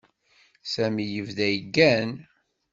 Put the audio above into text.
Sami yebda yeggan.